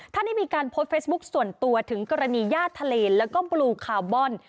ได้มีการโพสต์เฟซบุ๊คส่วนตัวถึงกรณีญาติทะเลแล้วก็บลูคาวบอน